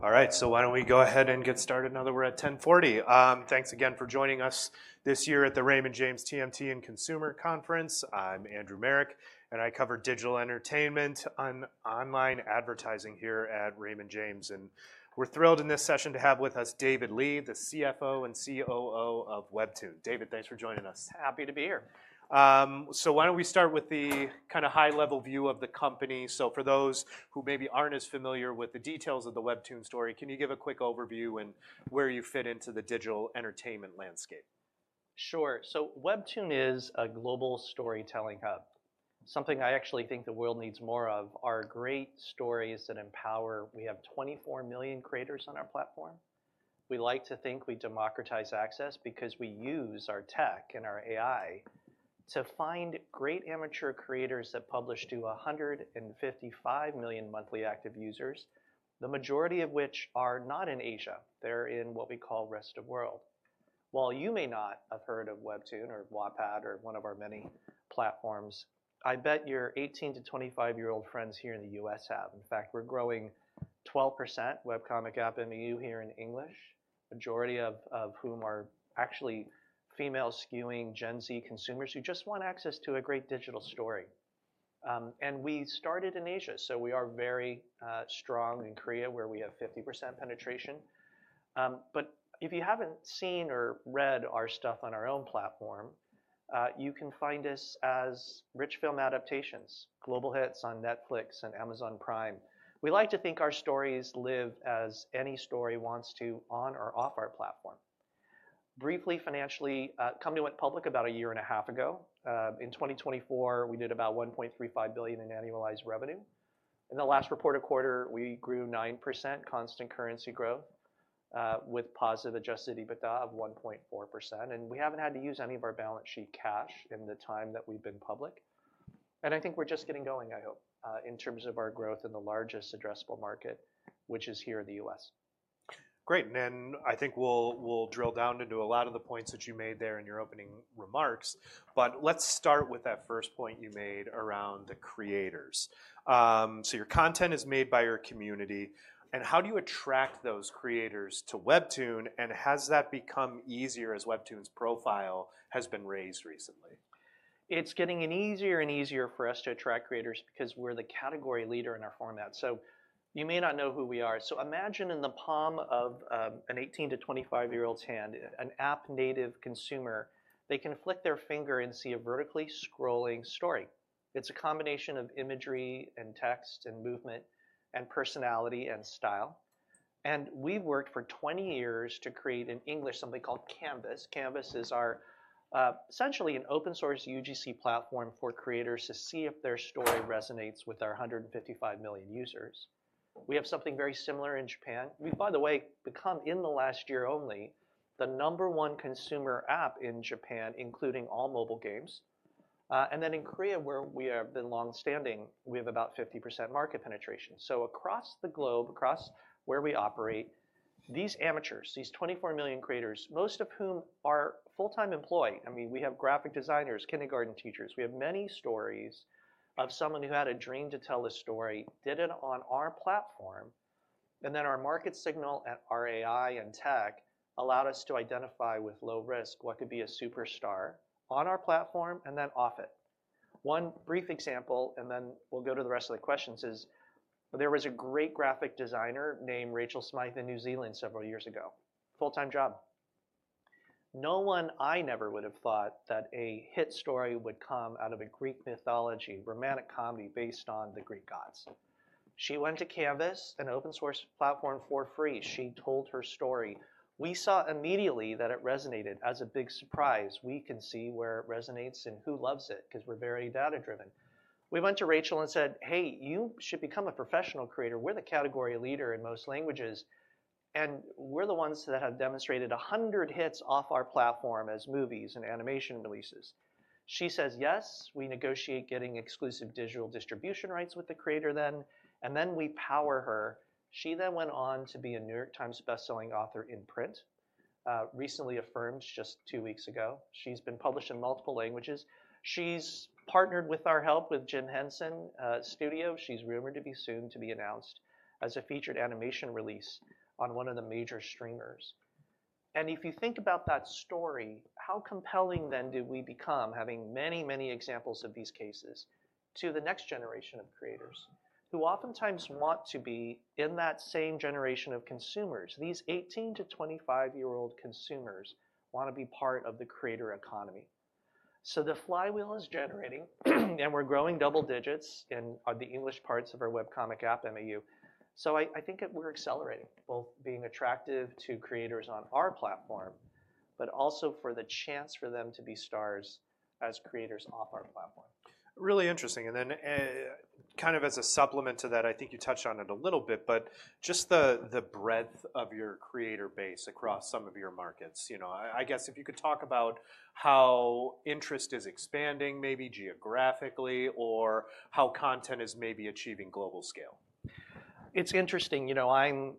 Al`l right, so why don't we go ahead and get started now that we're at 10:40 A.M. Thanks again for joining us this year at the Raymond James TMT and Consumer Conference. I'm Andrew Marok, and I cover digital entertainment and online advertising here at Raymond James. And we're thrilled in this session to have with us David Lee, the CFO and COO of WEBTOON. David, thanks for joining us. Happy to be here. So why don't we start with the kind of high-level view of the company? So for those who maybe aren't as familiar with the details of the WEBTOON story, can you give a quick overview and where you fit into the digital entertainment landscape. Sure, so WEBTOON is a global storytelling hub. Something I actually think the world needs more of are great stories that empower. We have 24 million creators on our platform. We like to think we democratize access because we use our tech and our AI to find great amateur creators that publish to 155 million monthly active users, the majority of which are not in Asia. They're in what we call Rest of World. While you may not have heard of WEBTOON or Wattpad or one of our many platforms, I bet your 18-25-year-old friends here in the U.S. have. In fact, we're growing 12% webcomic app MAU here in English, the majority of whom are actually female-skewing Gen Z consumers who just want access to a great digital story, and we started in Asia, so we are very strong in Korea, where we have 50% penetration. If you haven't seen or read our stuff on our own platform, you can find us in rich film adaptations, global hits on Netflix and Amazon Prime. We like to think our stories live as any story wants to on or off our platform. Briefly, financially, we went public about a year and a half ago. In 2024, we did about $1.35 billion in annualized revenue. In the last reported quarter, we grew 9% constant currency growth with positive adjusted EBITDA of 1.4%. We haven't had to use any of our balance sheet cash in the time that we've been public. I think we're just getting going, I hope, in terms of our growth in the largest addressable market, which is here in the U.S. Great. And I think we'll drill down into a lot of the points that you made there in your opening remarks. But let's start with that first point you made around the creators. So your content is made by your community. And how do you attract those creators to WEBTOON? And has that become easier as WEBTOON's profile has been raised recently? It's getting easier and easier for us to attract creators because we're the category leader in our format. So you may not know who we are. So imagine in the palm of an 18-25-year-old's hand, an app-native consumer, they can flick their finger and see a vertically scrolling story. It's a combination of imagery and text and movement and personality and style. And we've worked for 20 years to create in English something called Canvas. Canvas is essentially an open-source UGC platform for creators to see if their story resonates with our 155 million users. We have something very similar in Japan. We've, by the way, become in the last year only the number one consumer app in Japan, including all mobile games. And then in Korea, where we have been longstanding, we have about 50% market penetration. So across the globe, across where we operate, these amateurs, these 24 million creators, most of whom are full-time employed. I mean, we have graphic designers, kindergarten teachers. We have many stories of someone who had a dream to tell a story, did it on our platform. And then our market signal at our AI and tech allowed us to identify with low risk what could be a superstar on our platform and then off it. One brief example, and then we'll go to the rest of the questions, is there was a great graphic designer named Rachel Smythe in New Zealand several years ago, full-time job. No one. I never would have thought that a hit story would come out of a Greek mythology, romantic comedy based on the Greek gods. She went to Canvas, an open-source platform, for free. She told her story. We saw immediately that it resonated. As a big surprise, we can see where it resonates and who loves it because we're very data-driven. We went to Rachel and said, "Hey, you should become a professional creator. We're the category leader in most languages. And we're the ones that have demonstrated 100 hits off our platform as movies and animation releases." She says, "Yes." We negotiate getting exclusive digital distribution rights with the creator then, and then we power her. She then went on to be a New York Times bestselling author in print, recently affirmed just two weeks ago. She's been published in multiple languages. She's partnered with our help with Jim Henson Studio. She's rumored to be soon to be announced as a featured animation release on one of the major streamers. And if you think about that story, how compelling then do we become, having many, many examples of these cases, to the next generation of creators who oftentimes want to be in that same generation of consumers? These 18-25-year-old consumers want to be part of the creator economy. So the flywheel is generating, and we're growing double digits in the English parts of our webcomic app MAU. So I think we're accelerating, both being attractive to creators on our platform, but also for the chance for them to be stars as creators off our platform. Really interesting, and then kind of as a supplement to that. I think you touched on it a little bit, but just the breadth of your creator base across some of your markets. I guess if you could talk about how interest is expanding maybe geographically or how content is maybe achieving global scale. It's interesting. You know, I'm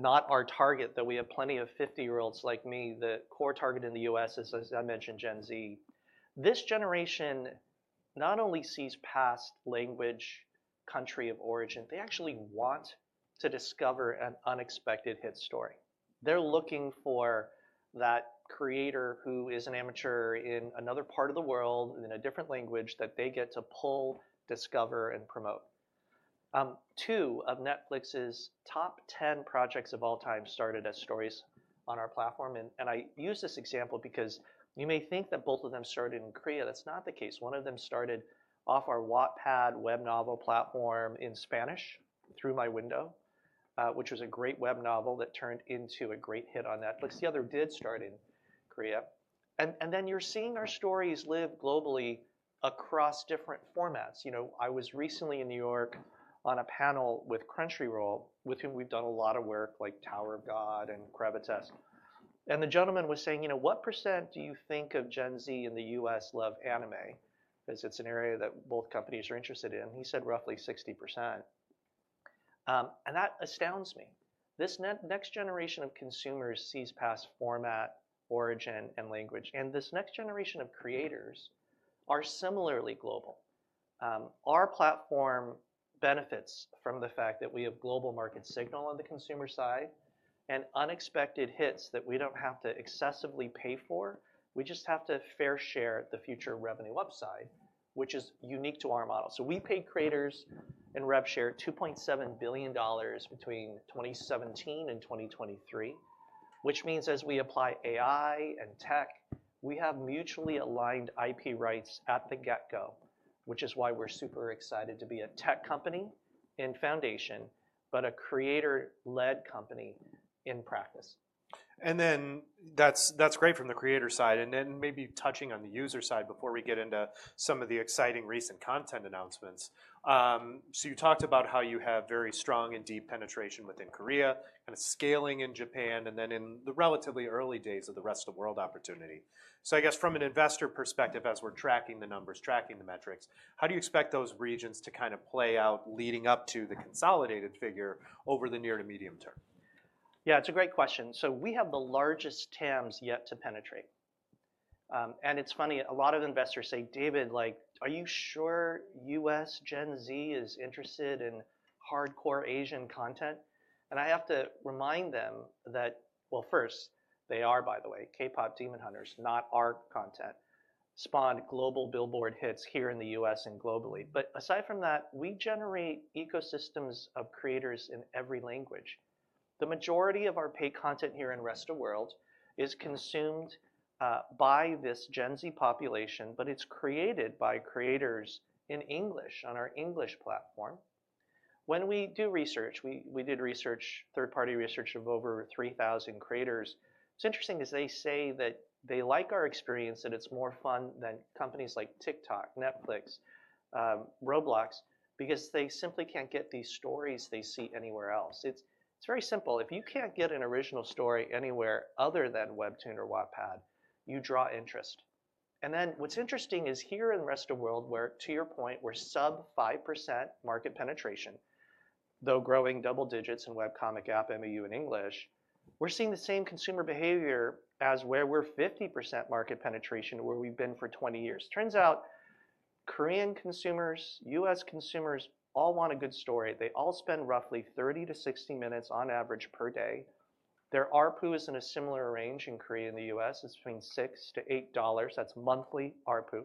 not our target, though we have plenty of 50-year-olds like me. The core target in the U.S. is, as I mentioned, Gen Z. This generation not only sees past language, country of origin, they actually want to discover an unexpected hit story. They're looking for that creator who is an amateur in another part of the world, in a different language, that they get to pull, discover, and promote. Two of Netflix's top 10 projects of all time started as stories on our platform. And I use this example because you may think that both of them started in Korea. That's not the case. One of them started on our Wattpad web novel platform in Spanish, Through My Window, which was a great web novel that turned into a great hit on Netflix. The other did start in Korea. And then you're seeing our stories live globally across different formats. I was recently in New York on a panel with Crunchyroll, with whom we've done a lot of work, like Tower of God and Gravitas. And the gentleman was saying, "You know, what percent do you think of Gen Z in the U.S. love anime?" Because it's an area that both companies are interested in. He said roughly 60%. And that astounds me. This next generation of consumers sees past format, origin, and language. And this next generation of creators are similarly global. Our platform benefits from the fact that we have global market signal on the consumer side and unexpected hits that we don't have to excessively pay for. We just have to fair share the future revenue upside, which is unique to our model. So we paid creators and RevShare $2.7 billion between 2017 and 2023, which means as we apply AI and tech, we have mutually aligned IP rights at the get-go, which is why we're super excited to be a tech company in foundation, but a creator-led company in practice. And then that's great from the creator side. And then maybe touching on the user side before we get into some of the exciting recent content announcements. So you talked about how you have very strong and deep penetration within Korea, kind of scaling in Japan, and then in the relatively early days of the rest of the world opportunity. So I guess from an investor perspective, as we're tracking the numbers, tracking the metrics, how do you expect those regions to kind of play out leading up to the consolidated figure over the near to medium term? Yeah, it's a great question. So we have the largest TAMs yet to penetrate. And it's funny, a lot of investors say, "David, are you sure U.S. Gen Z is interested in hardcore Asian content?" And I have to remind them that, well, first, they are, by the way. K-Pop Demon Hunters, not our content, spawned global Billboard hits here in the U.S. and globally. But aside from that, we generate ecosystems of creators in every language. The majority of our paid content here in Rest of World is consumed by this Gen Z population, but it's created by creators in English on our English platform. When we do research, we did research, third-party research of over 3,000 creators. What's interesting is they say that they like our experience and it's more fun than companies like TikTok, Netflix, Roblox, because they simply can't get these stories they see anywhere else. It's very simple. If you can't get an original story anywhere other than WEBTOON or Wattpad, you draw interest. And then what's interesting is here in the rest of the world, to your point, we're sub-5% market penetration, though growing double digits in webcomic app MAU in English. We're seeing the same consumer behavior as where we're 50% market penetration, where we've been for 20 years. Turns out Korean consumers, U.S. consumers all want a good story. They all spend roughly 30-60 minutes on average per day. Their RPU is in a similar range in Korea and the U.S.. It's between $6-$8. That's monthly RPU.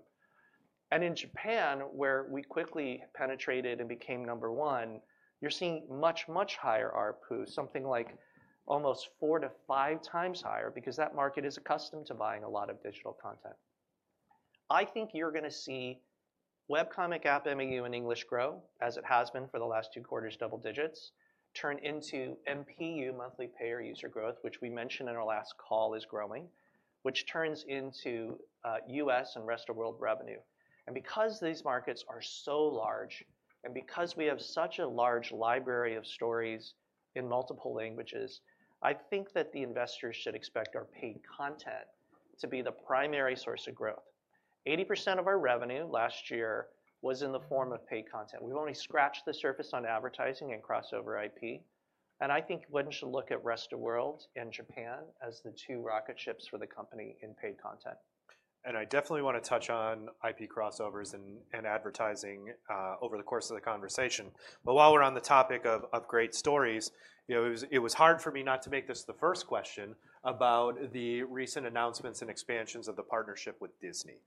And in Japan, where we quickly penetrated and became number one, you're seeing much, much higher RPU, something like almost four to five times higher because that market is accustomed to buying a lot of digital content. I think you're going to see webcomic app MAU in English grow, as it has been for the last two quarters, double digits, turn into MPU, monthly payer user growth, which we mentioned in our last call is growing, which turns into U.S. and Rest of World revenue. And because these markets are so large and because we have such a large library of stories in multiple languages, I think that the investors should expect our paid content to be the primary source of growth. 80% of our revenue last year was in the form of paid content. We've only scratched the surface on advertising and crossover IP. And I think one should look at Rest of World and Japan as the two rocket ships for the company in paid content. And I definitely want to touch on IP crossovers and advertising over the course of the conversation. But while we're on the topic of great stories, it was hard for me not to make this the first question about the recent announcements and expansions of the partnership with Disney.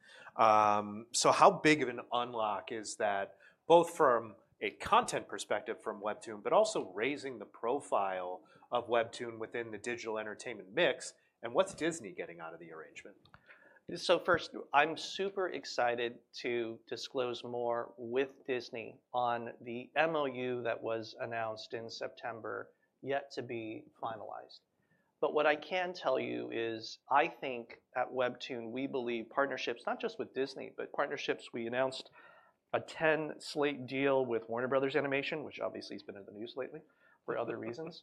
So how big of an unlock is that, both from a content perspective from WEBTOON, but also raising the profile of WEBTOON within the digital entertainment mix? And what's Disney getting out of the arrangement? So first, I'm super excited to disclose more with Disney on the MOU that was announced in September, yet to be finalized. But what I can tell you is I think at WEBTOON, we believe partnerships, not just with Disney, but partnerships we announced a 10 slate deal with Warner Bros. Animation, which obviously has been in the news lately for other reasons.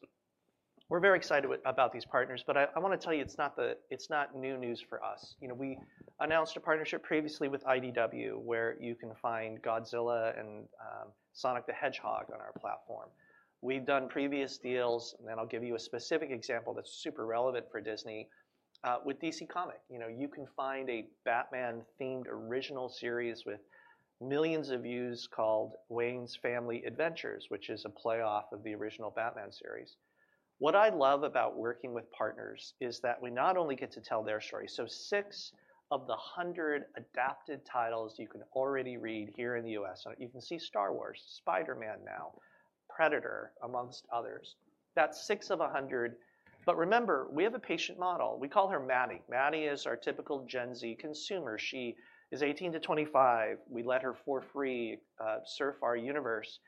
We're very excited about these partners. But I want to tell you, it's not new news for us. We announced a partnership previously with IDW, where you can find Godzilla and Sonic the Hedgehog on our platform. We've done previous deals. And then I'll give you a specific example that's super relevant for Disney with DC Comics. You can find a Batman-themed original series with millions of views called Wayne Family Adventures, which is a playoff of the original Batman series. What I love about working with partners is that we not only get to tell their story. So six of the 100 adapted titles you can already read here in the U.S., you can see Star Wars, Spider-Man now, Predator, amongst others. That's six of 100. But remember, we have a patient model. We call her Maddie. Maddie is our typical Gen Z consumer. She is 18-25. We let her for free surf our universe.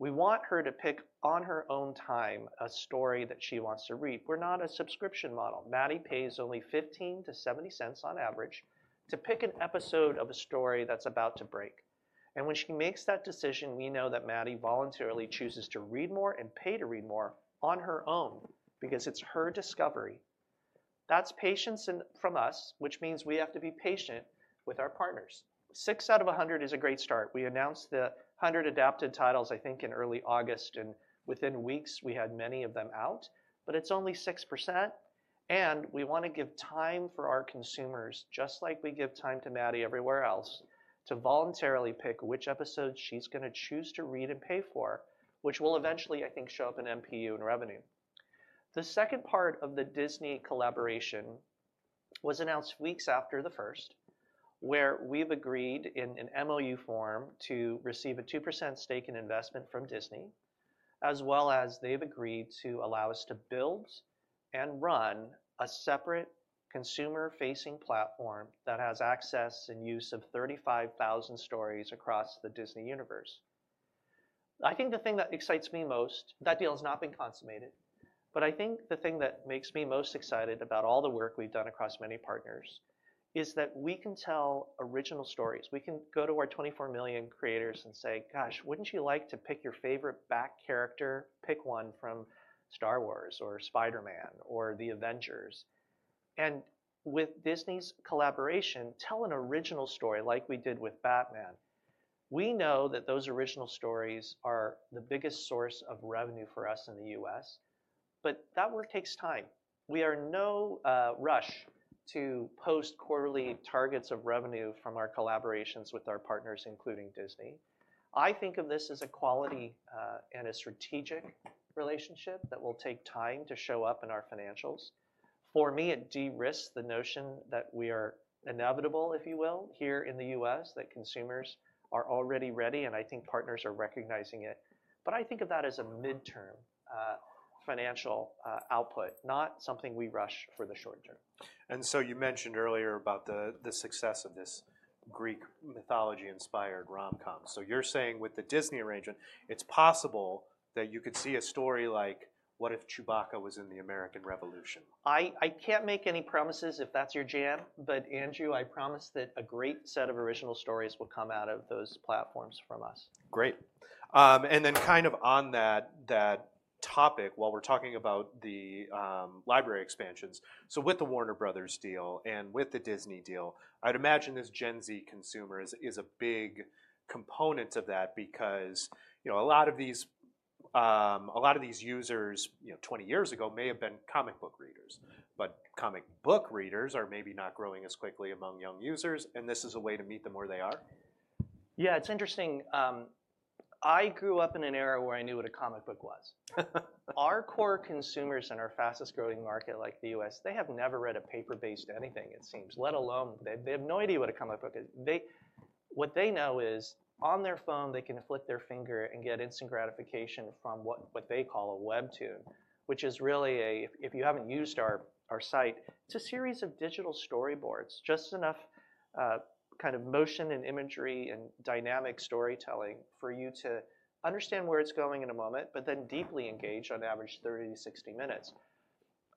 We want her to pick on her own time a story that she wants to read. We're not a subscription model. Maddie pays only $0.15-$0.70 on average to pick an episode of a story that's about to break. And when she makes that decision, we know that Maddie voluntarily chooses to read more and pay to read more on her own because it's her discovery. That's patience from us, which means we have to be patient with our partners. Six out of 100 is a great start. We announced the 100 adapted titles, I think, in early August, and within weeks, we had many of them out. But it's only 6%, and we want to give time for our consumers, just like we give time to Maddie everywhere else, to voluntarily pick which episodes she's going to choose to read and pay for, which will eventually, I think, show up in MPU and revenue. The second part of the Disney collaboration was announced weeks after the first, where we've agreed in an MOU form to receive a 2% stake in investment from Disney, as well as they've agreed to allow us to build and run a separate consumer-facing platform that has access and use of 35,000 stories across the Disney universe. I think the thing that excites me most, that deal has not been consummated. But I think the thing that makes me most excited about all the work we've done across many partners is that we can tell original stories. We can go to our 24 million creators and say, "Gosh, wouldn't you like to pick your favorite background character? Pick one from Star Wars or Spider-Man or the Avengers." And with Disney's collaboration, tell an original story like we did with Batman. We know that those original stories are the biggest source of revenue for us in the U.S. But that work takes time. We are in no rush to post quarterly targets of revenue from our collaborations with our partners, including Disney. I think of this as a quality and a strategic relationship that will take time to show up in our financials. For me, it de-risked the notion that we are inevitable, if you will, here in the U.S., that consumers are already ready. And I think partners are recognizing it. But I think of that as a midterm financial output, not something we rush for the short term. And so you mentioned earlier about the success of this Greek mythology-inspired rom-com. So you're saying with the Disney arrangement, it's possible that you could see a story like, "What if Chewbacca was in the American Revolution? I can't make any promises if that's your jam. But, Andrew, I promise that a great set of original stories will come out of those platforms from us. Great. And then kind of on that topic, while we're talking about the library expansions, so with the Warner Bros. deal and with the Disney deal, I'd imagine this Gen Z consumer is a big component of that because a lot of these users 20 years ago may have been comic book readers. But comic book readers are maybe not growing as quickly among young users. And this is a way to meet them where they are? Yeah, it's interesting. I grew up in an era where I knew what a comic book was. Our core consumers in our fastest-growing market, like the U.S., they have never read a paper-based anything, it seems, let alone they have no idea what a comic book is. What they know is on their phone, they can flick their finger and get instant gratification from what they call a WEBTOON, which is really a, if you haven't used our site, it's a series of digital storyboards, just enough kind of motion and imagery and dynamic storytelling for you to understand where it's going in a moment, but then deeply engage on average 30 to 60 minutes.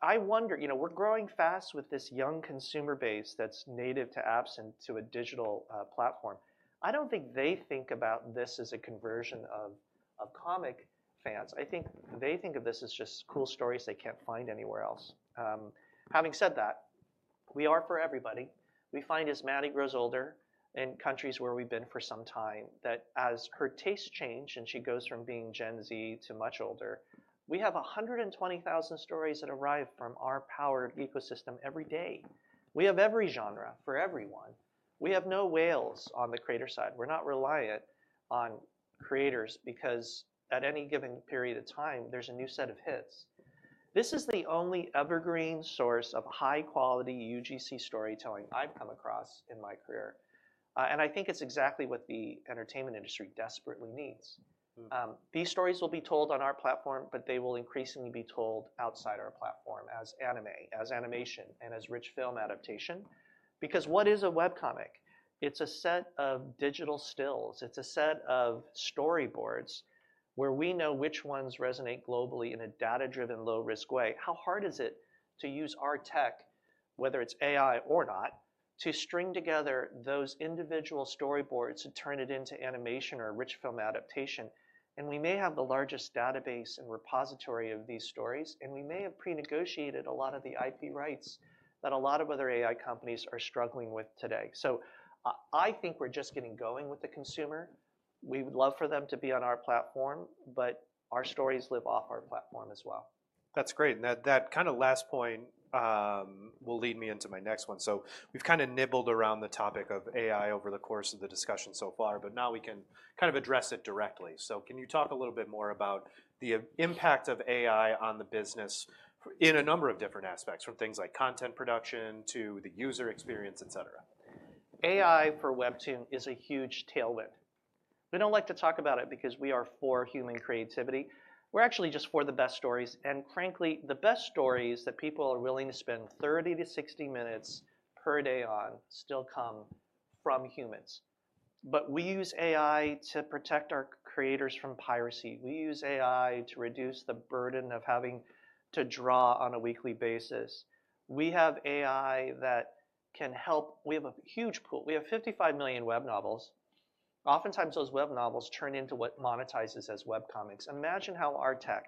I wonder, we're growing fast with this young consumer base that's native to apps and to a digital platform. I don't think they think about this as a conversion of comic fans. I think they think of this as just cool stories they can't find anywhere else. Having said that, we are for everybody. We find as Maddie grows older in countries where we've been for some time, that as her tastes change and she goes from being Gen Z to much older, we have 120,000 stories that arrive from our powered ecosystem every day. We have every genre for everyone. We have no whales on the creator side. We're not reliant on creators because at any given period of time, there's a new set of hits. This is the only evergreen source of high-quality UGC storytelling I've come across in my career. And I think it's exactly what the entertainment industry desperately needs. These stories will be told on our platform, but they will increasingly be told outside our platform as anime, as animation, and as rich film adaptation. Because what is a webcomic? It's a set of digital stills. It's a set of storyboards where we know which ones resonate globally in a data-driven, low-risk way. How hard is it to use our tech, whether it's AI or not, to string together those individual storyboards and turn it into animation or rich film adaptation? And we may have the largest database and repository of these stories. And we may have pre-negotiated a lot of the IP rights that a lot of other AI companies are struggling with today. So I think we're just getting going with the consumer. We would love for them to be on our platform. But our stories live off our platform as well. That's great. And that kind of last point will lead me into my next one. So we've kind of nibbled around the topic of AI over the course of the discussion so far. But now we can kind of address it directly. So can you talk a little bit more about the impact of AI on the business in a number of different aspects, from things like content production to the user experience, et cetera? AI for WEBTOON is a huge tailwind. We don't like to talk about it because we are for human creativity. We're actually just for the best stories, and frankly, the best stories that people are willing to spend 30 to 60 minutes per day on still come from humans, but we use AI to protect our creators from piracy. We use AI to reduce the burden of having to draw on a weekly basis. We have AI that can help. We have a huge pool. We have 55 million web novels. Oftentimes, those web novels turn into what monetizes as webcomics. Imagine how our tech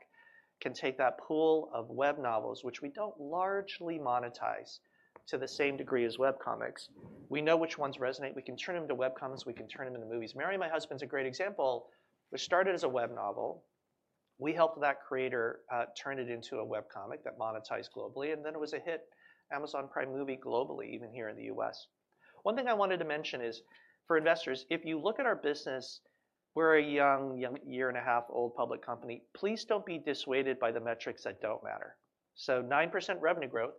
can take that pool of web novels, which we don't largely monetize to the same degree as webcomics. We know which ones resonate. We can turn them to webcomics. We can turn them into movies. "Marry My Husband" is a great example. It started as a web novel. We helped that creator turn it into a webcomic that monetized globally. And then it was a hit Amazon Prime movie globally, even here in the U.S. One thing I wanted to mention is for investors, if you look at our business, we're a young, year-and-a-half-old public company. Please don't be dissuaded by the metrics that don't matter. So 9% revenue growth,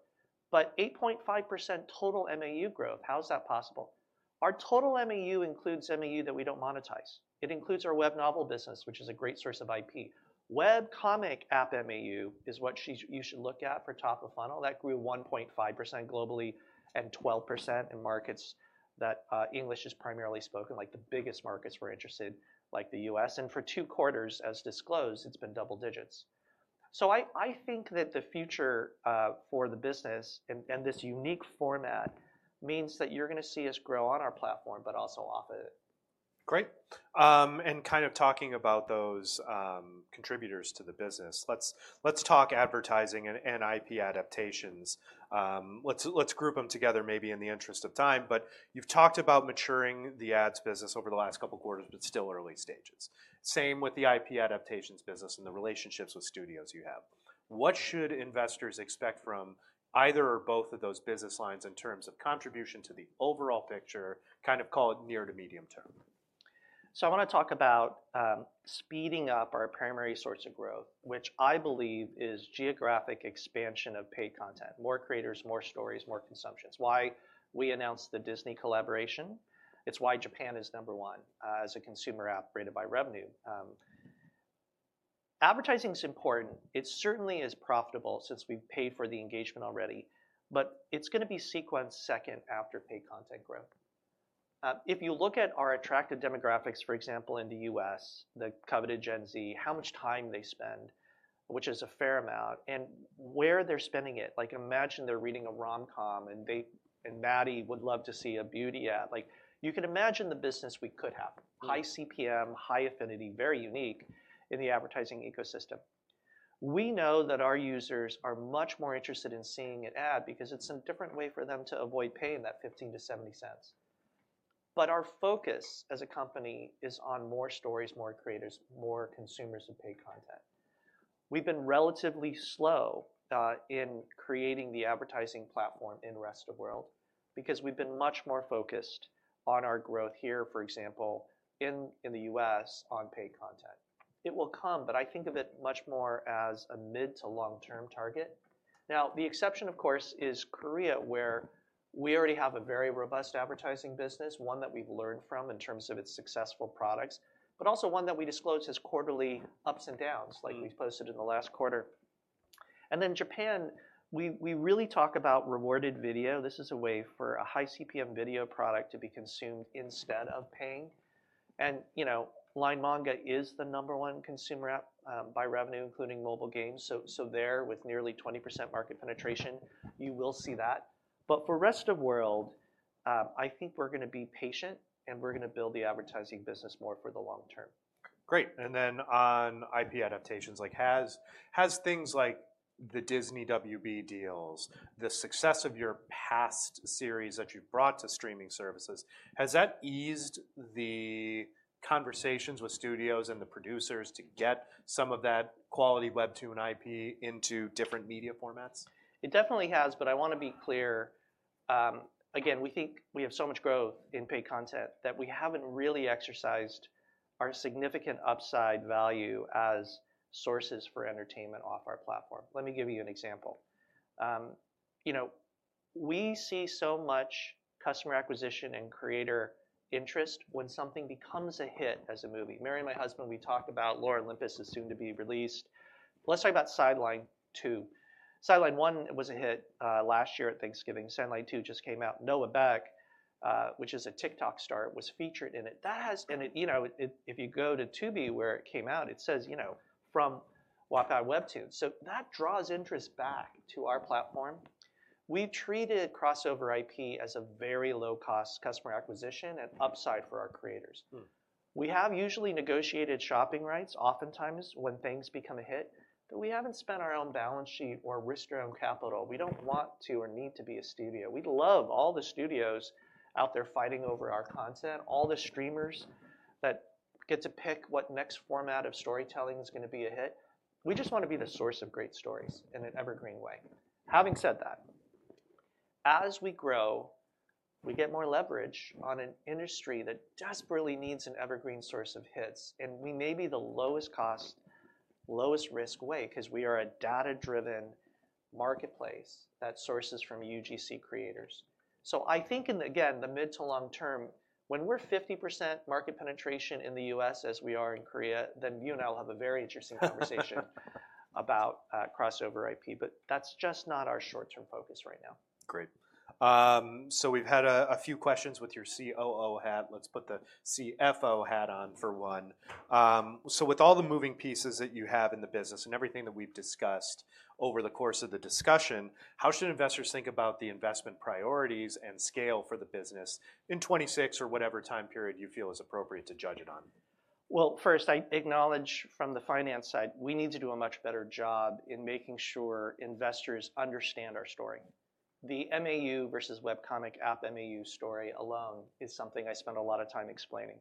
but 8.5% total MAU growth. How is that possible? Our total MAU includes MAU that we don't monetize. It includes our web novel business, which is a great source of IP. webcomic app MAU is what you should look at for top of funnel. That grew 1.5% globally and 12% in markets that English is primarily spoken, like the biggest markets we're interested, like the U.S. And for two quarters, as disclosed, it's been double digits. So I think that the future for the business and this unique format means that you're going to see us grow on our platform, but also off of it. Great. And kind of talking about those contributors to the business, let's talk advertising and IP adaptations. Let's group them together maybe in the interest of time. But you've talked about maturing the ads business over the last couple of quarters, but still early stages. Same with the IP adaptations business and the relationships with studios you have. What should investors expect from either or both of those business lines in terms of contribution to the overall picture, kind of call it near to medium term? So I want to talk about speeding up our primary source of growth, which I believe is geographic expansion of paid content, more creators, more stories, more consumptions. Why we announced the Disney collaboration. It's why Japan is number one as a consumer app rated by revenue. Advertising is important. It certainly is profitable since we've paid for the engagement already. But it's going to be sequenced second after paid content growth. If you look at our attractive demographics, for example, in the U.S., the coveted Gen Z, how much time they spend, which is a fair amount, and where they're spending it, like imagine they're reading a rom-com and Maddie would love to see a beauty ad. You can imagine the business we could have, high CPM, high affinity, very unique in the advertising ecosystem. We know that our users are much more interested in seeing an ad because it's a different way for them to avoid paying that $0.15-$0.70. But our focus as a company is on more stories, more creators, more consumers of paid content. We've been relatively slow in creating the advertising platform in the rest of the world because we've been much more focused on our growth here, for example, in the U.S. on paid content. It will come. But I think of it much more as a mid to long-term target. Now, the exception, of course, is Korea, where we already have a very robust advertising business, one that we've learned from in terms of its successful products, but also one that we disclose has quarterly ups and downs, like we posted in the last quarter. And then Japan, we really talk about rewarded video. This is a way for a high CPM video product to be consumed instead of paying. And LINE Manga is the number one consumer app by revenue, including mobile games. So there, with nearly 20% market penetration, you will see that. But for the rest of the world, I think we're going to be patient. And we're going to build the advertising business more for the long term. Great. And then on IP adaptations, like, has things like the Disney WB deals, the success of your past series that you've brought to streaming services, has that eased the conversations with studios and the producers to get some of that quality WEBTOON IP into different media formats? It definitely has. But I want to be clear. Again, we think we have so much growth in paid content that we haven't really exercised our significant upside value as sources for entertainment off our platform. Let me give you an example. We see so much customer acquisition and creator interest when something becomes a hit as a movie. "Marry My Husband," we talk about, "Lore Olympus" is soon to be released. Let's talk about "Sideline 2." "Sideline 1" was a hit last year at Thanksgiving. "Sideline 2" just came out. "Noah Beck," which is a TikTok star, was featured in it. If you go to Tubi, where it came out, it says, "From Wattpad WEBTOON." So that draws interest back to our platform. We treated crossover IP as a very low-cost customer acquisition and upside for our creators. We have usually negotiated shopping rights, oftentimes, when things become a hit. But we haven't spent our own balance sheet or risked our own capital. We don't want to or need to be a studio. We love all the studios out there fighting over our content, all the streamers that get to pick what next format of storytelling is going to be a hit. We just want to be the source of great stories in an evergreen way. Having said that, as we grow, we get more leverage on an industry that desperately needs an evergreen source of hits. And we may be the lowest cost, lowest risk way because we are a data-driven marketplace that sources from UGC creators. So I think, again, the mid to long term, when we're 50% market penetration in the U.S. as we are in Korea, then you and I will have a very interesting conversation about crossover IP. But that's just not our short-term focus right now. Great. So we've had a few questions with your COO hat. Let's put the CFO hat on for one. So with all the moving pieces that you have in the business and everything that we've discussed over the course of the discussion, how should investors think about the investment priorities and scale for the business in 2026 or whatever time period you feel is appropriate to judge it on? First, I acknowledge from the finance side, we need to do a much better job in making sure investors understand our story. The MAU versus webcomic app MAU story alone is something I spent a lot of time explaining.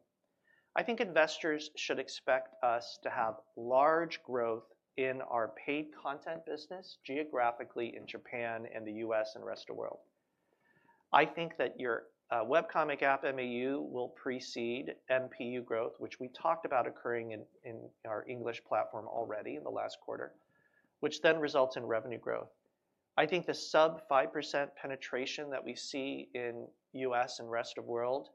I think investors should expect us to have large growth in our paid content business geographically in Japan and the U.S. and the rest of the world. I think that your webcomic app MAU will precede MPU growth, which we talked about occurring in our English platform already in the last quarter, which then results in revenue growth. I think the sub-5% penetration that we see in the U.S. and the rest of the world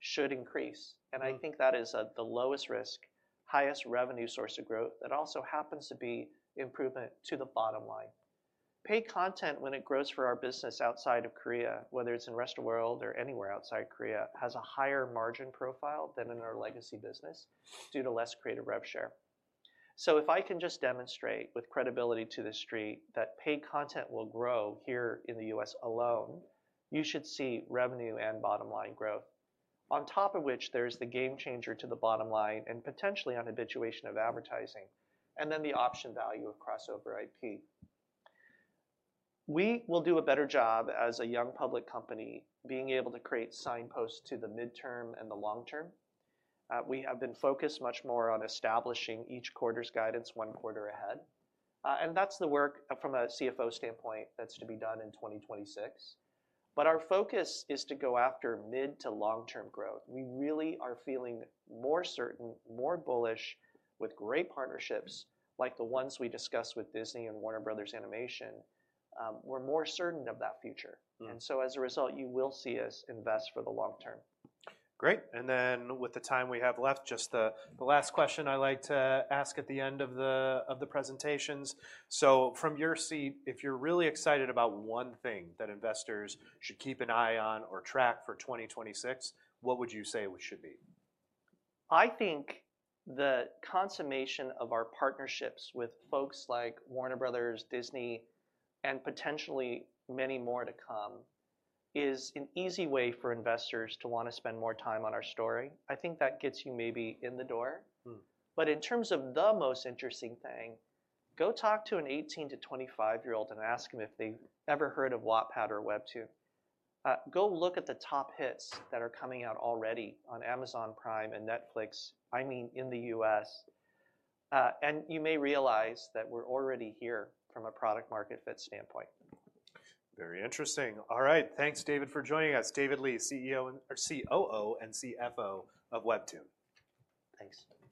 should increase. I think that is the lowest risk, highest revenue source of growth that also happens to be improvement to the bottom line. Paid content, when it grows for our business outside of Korea, whether it's in the rest of the world or anywhere outside Korea, has a higher margin profile than in our legacy business due to less creator rev share, so if I can just demonstrate with credibility to the street that paid content will grow here in the U.S. alone, you should see revenue and bottom line growth, on top of which there is the game changer to the bottom line and potentially the monetization of advertising, and then the option value of crossover IP. We will do a better job as a young public company being able to create signposts to the midterm and the long term. We have been focused much more on establishing each quarter's guidance one quarter ahead, and that's the work from a CFO standpoint that's to be done in 2026. But our focus is to go after mid- to long-term growth. We really are feeling more certain, more bullish, with great partnerships like the ones we discussed with Disney and Warner Bros. Animation. We're more certain of that future. And so as a result, you will see us invest for the long term. Great. And then with the time we have left, just the last question I like to ask at the end of the presentations. So from your seat, if you're really excited about one thing that investors should keep an eye on or track for 2026, what would you say it should be? I think the consummation of our partnerships with folks like Warner Bros., Disney, and potentially many more to come is an easy way for investors to want to spend more time on our story. I think that gets you maybe in the door. But in terms of the most interesting thing, go talk to an 18-25-year-old and ask them if they've ever heard of Wattpad or WEBTOON. Go look at the top hits that are coming out already on Amazon Prime and Netflix, I mean, in the U.S., and you may realize that we're already here from a product-market fit standpoint. Very interesting. All right, thanks, David, for joining us, David Lee, COO and CFO of WEBTOON. Thanks. Thanks.